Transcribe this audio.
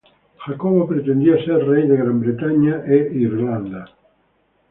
Jacobo pretendía ser rey de Gran Bretaña e Irlanda.